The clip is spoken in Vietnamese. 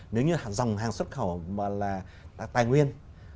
nếu như dòng hàng xuất khẩu mà là tài nguyên